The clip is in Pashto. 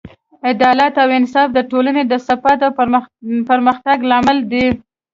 عدالت او انصاف د ټولنې د ثبات او پرمختګ لامل دی.